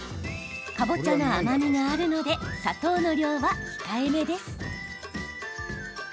かぼちゃの甘みがあるので砂糖の量は控えめです。